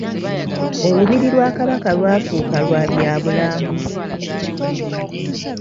Olubiri lwa Kabaka lwafuuka lwa bya bulambuzi.